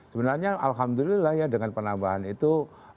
sebenarnya alhamdulillah ya dengan penambahan itu